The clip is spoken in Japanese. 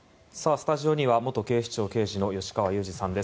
スタジオには元警視庁刑事の吉川祐二さんです。